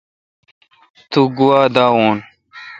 تو گوا دا وین۔